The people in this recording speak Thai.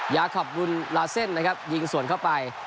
ยาคอปบุญลาเซ่นนะครับยิงสวนเข้าไป